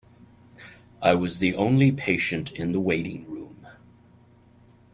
I was the only patient in the waiting room.